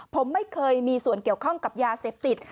ผมไม่เคยมีส่วนเกี่ยวข้องกับยาเสพติด